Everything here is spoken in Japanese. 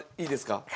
いいですか？